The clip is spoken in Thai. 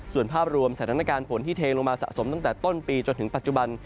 ส่วนภาพรวมสถานการณ์ฝนที่เทลงมาสะสมตั้งแต่ต้นปีจนถึงปัจจุบัน